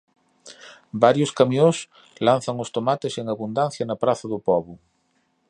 Varios camións lanzan os tomates en abundancia na Praza do Pobo.